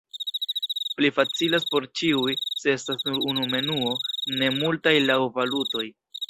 Pli facilas por ĉiuj, se estas nur unu menuo, ne multaj laŭ valutoj.